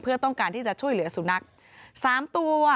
เพื่อต้องการที่จะช่วยเหลือสุนัข๓ตัว